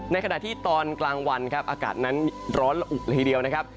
ในขณะที่ตอนกลางวันครับอากาศนั้นร้อนละอุเลยทีเดียวนะครับ